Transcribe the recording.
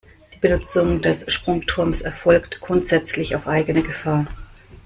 Die Benutzung des Sprungturms erfolgt grundsätzlich auf eigene Gefahr.